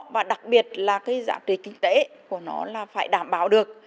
và đặc biệt là cái giá trị kinh tế của nó là phải đảm bảo được